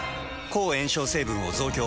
抗炎症成分を増強。